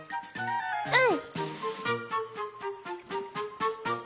うん！